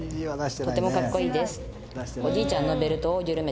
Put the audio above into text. とてもカッコいいです